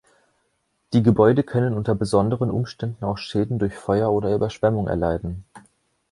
Die Gebäude können unter besonderen Umständen auch Schäden durch Feuer oder Überschwemmung erleiden.